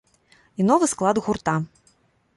І новы склад гурта.